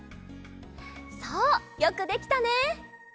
そうよくできたね！